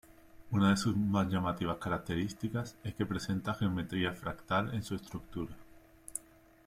Una de sus más llamativas características es que presenta geometría fractal en su estructura.